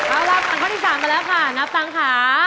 เอาล่ะผ่านข้อที่๓มาแล้วค่ะนับตังค์ค่ะ